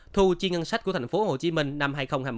thu chi ngân sách của tp hcm năm hai nghìn hai mươi